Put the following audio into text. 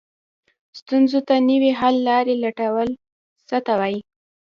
ستونزو ته نوې حل لارې لټول څه ته وایي؟